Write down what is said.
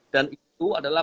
dan itu adalah